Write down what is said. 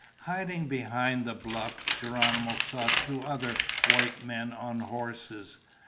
Hiding behind the bluff, Geronimo saw two other white men on horses.